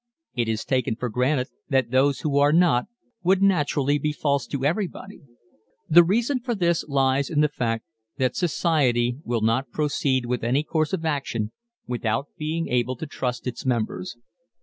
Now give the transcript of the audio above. It is taken for granted that those who are not would naturally be false to everybody. The reason for this lies in the fact that society will not proceed with any course of action without being able to trust its members.